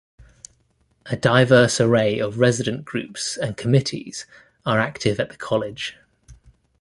A diverse array of resident groups and committees are active at the college.